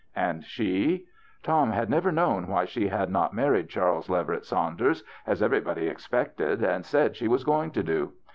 And she ? Tom had never known why she had not married Charles Leverett Saunders, as every body expected and said she was going to do.